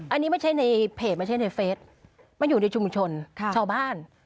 อันนี้ไม่ใช่ในเพจไม่ใช่ในเฟสมันอยู่ในชุมชนชาวบ้าน